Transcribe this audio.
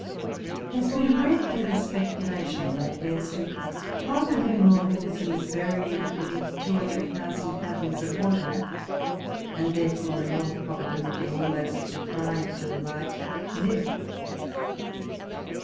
There has been a great deal of speculation lately, as to how the living organisms buried beneath two or three thousand fathoms of water, and therefore in all probability almost deprived of light, live.